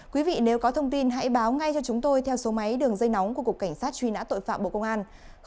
quý vị nếu có thông tin hãy báo ngay cho chúng tôi theo số máy đường dây nóng của cục cảnh sát truy nã tội phạm bộ công an